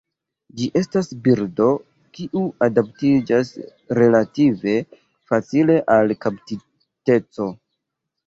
Ĝi estas birdo kiu adaptiĝas relative facile al kaptiteco.